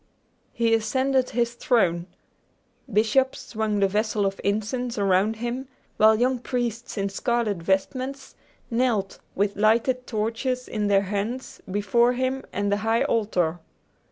He ascended his throne. Bishops swung the vessels of incense around him, while young priests, in scarlet vestments, knelt, with lighted torches in their hands, before him and the high altar.